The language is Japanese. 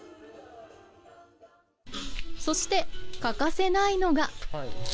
そして欠かせないのが。